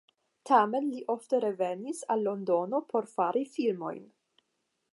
Tamen li ofte revenis al Londono por fari filmojn.